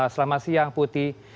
selamat siang putih